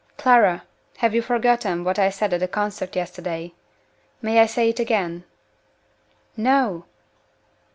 "Clara! have you forgotten what I said at the concert yesterday? May I say it again?" "No!"